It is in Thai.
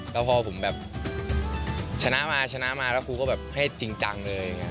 แล้วพอผมแบบชนะมาชนะมาแล้วครูก็แบบให้จริงจังเลย